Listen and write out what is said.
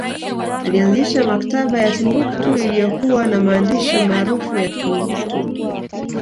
Alianzisha maktaba ya Timbuktu iliyokuwa na maandishi maarufu ya Timbuktu